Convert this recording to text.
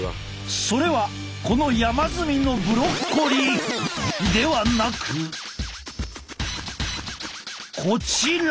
それはこの山積みのブロッコリーではなくこちら。